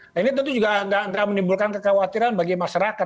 nah ini tentu juga tidak menimbulkan kekhawatiran bagi masyarakat